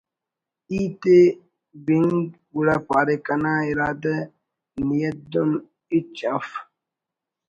ہیت ءِ بِنگ گڑا پارے ”کنا ارادہ نیت دُن ہچ اف